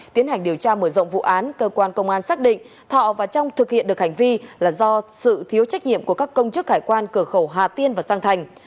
tiến hành điều tra mở rộng vụ án cơ quan công an xác định thọ và trong thực hiện được hành vi là do sự thiếu trách nhiệm của các công chức hải quan cửa khẩu hà tiên và sang thành